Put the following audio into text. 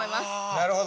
なるほど。